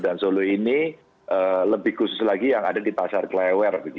dan solo ini lebih khusus lagi yang ada di pasar klewer